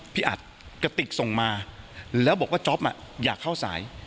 อัดกระติกส่งมาแล้วบอกว่าจ๊อปอยากเข้าสาย